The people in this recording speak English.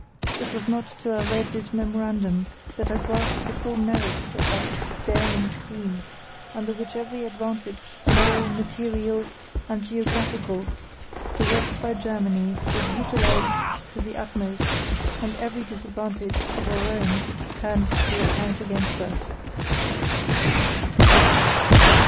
It was not till I read this memorandum that I grasped the full merits of that daring scheme, under which every advantage, moral, material, and geographical, possessed by Germany, is utilised to the utmost, and every disadvantage of our own turned to account against us.